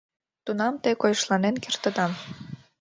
Тунам те койышланен кертыда.